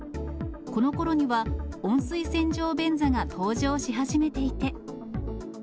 このころには、温水洗浄便座が登場し始めていて。